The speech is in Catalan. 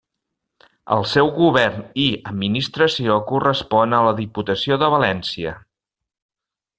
El seu govern i administració correspon a la Diputació de València.